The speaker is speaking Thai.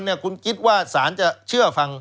พยานบุคคลคุณคิดว่าสารจะเชื่อฟังใคร